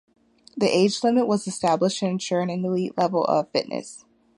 The age limit was established to ensure an elite level of fitness.